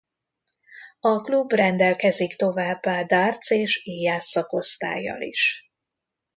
A klub rendelkezik továbbá Darts és íjász szakosztállyal is.